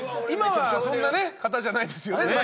今はそんな方じゃないですよね